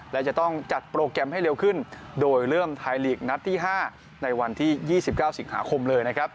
และจะต้องจัดโปรแกรมให้เร็วขึ้นโดยเริ่มไทยลีกนัดที่๕ในวันที่๒๙สิงหาคมเลยนะครับ